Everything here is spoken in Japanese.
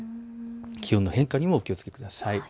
気温の変化にもお気をつけください。